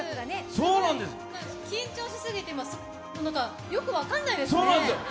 緊張しすぎて、よく分からないですね。